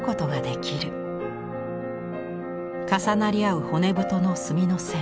重なり合う骨太の墨の線。